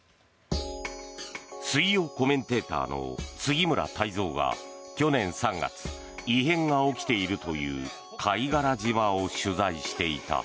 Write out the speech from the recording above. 水曜コメンテーターの杉村太蔵が去年３月異変が起きているという貝殻島を取材していた。